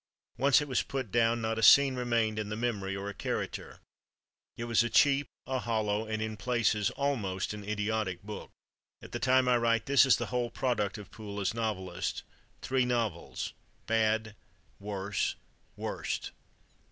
Once it was put down, not a scene remained in the memory, or a character. It was a cheap, a hollow and, in places, almost an idiotic book.... At the time I write, this is the whole product of Poole as novelist: three novels, bad, worse, worst.